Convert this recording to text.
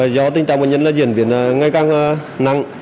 do tình trạng bệnh nhân diễn biến ngày càng nặng